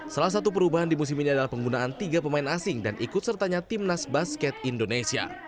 salah satu perubahan di musim ini adalah penggunaan tiga pemain asing dan ikut sertanya timnas basket indonesia